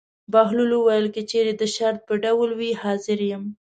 بهلول وویل: که چېرې د شرط په ډول وي حاضر یم.